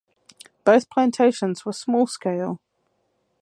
Both plantations were small scale.